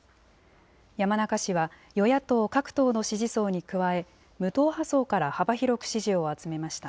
山中氏は、与野党各党の支持層に加え、無党派層から幅広く支持を集めました。